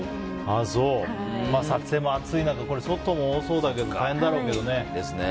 撮影も暑い中、外も多そうだけど大変だろうけどね。